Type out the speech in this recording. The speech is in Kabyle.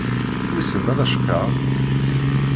Wissen ma d acekkeṛ?